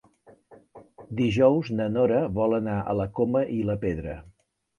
Dijous na Nora vol anar a la Coma i la Pedra.